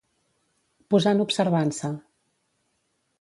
Posar en observança.